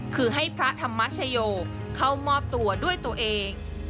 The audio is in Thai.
คือให้พระธรรมชโยเข้ามอบตัวด้วยตัวเอง